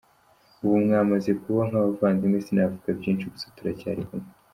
Ubu mwamaze kuba nk’abavandimwe, sinavuga byinshi, gusa turacyari kumwe.